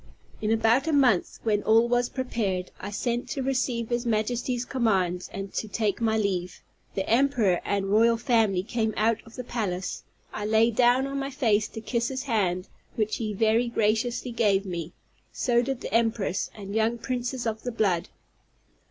In about a month, when all was prepared, I sent to receive his Majesty's commands, and to take my leave. The emperor and royal family came out of the palace; I lay down on my face to kiss his hand, which he very graciously gave me; so did the empress, and young princes of the blood.